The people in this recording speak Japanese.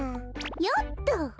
よっと。